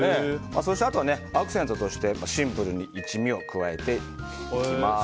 あとはアクセントとしてシンプルに一味を加えていきます。